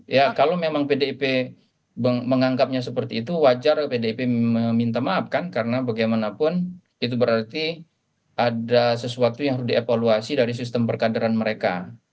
ya kalau memang pdip menganggapnya seperti itu wajar pdip meminta maaf kan karena bagaimanapun itu berarti ada sesuatu yang harus dievaluasi dari sistem perkadaran mereka